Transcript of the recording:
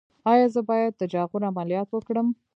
ایا زه باید د جاغور عملیات وکړم؟